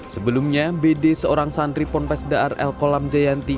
sebelumnya bd seorang santri ponpes darl kolam jayanti